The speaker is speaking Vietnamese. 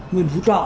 nguyễn phú trọng